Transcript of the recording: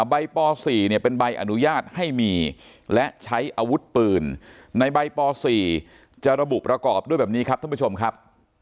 ป๔เป็นใบอนุญาตให้มีและใช้อาวุธปืนในใบป๔จะระบุประกอบด้วยแบบนี้ครับท่านผู้ชมครับ